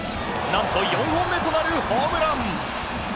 何と４本目となるホームラン。